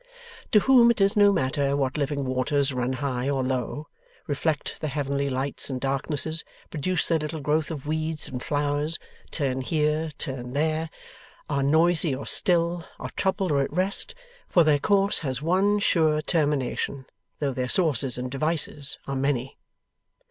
To whom it is no matter what living waters run high or low, reflect the heavenly lights and darknesses, produce their little growth of weeds and flowers, turn here, turn there, are noisy or still, are troubled or at rest, for their course has one sure termination, though their sources and devices are many.